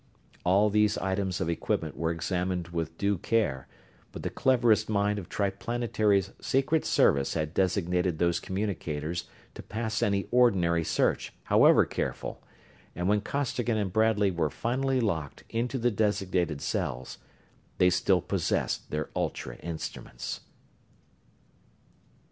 All these items of equipment were examined with due care; but the cleverest minds of Triplanetary's Secret Service had designated those communicators to pass any ordinary search, however careful, and when Costigan and Bradley were finally locked into the designated cells, they still possessed their ultra instruments.